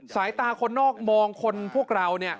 สายตาคนนอกมองคนพวกเราเนี่ย